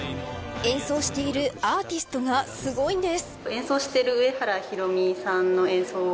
演奏しているアーティストがすごいんです。